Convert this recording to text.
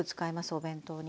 お弁当に。